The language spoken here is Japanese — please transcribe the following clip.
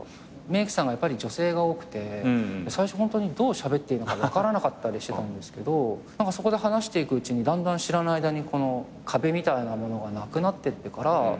メークさんは女性が多くて最初どうしゃべっていいのか分からなかったんですけどそこで話していくうちにだんだん知らない間にこの壁みたいなものがなくなってってから。